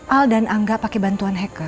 al dan angga pakai bantuan hacker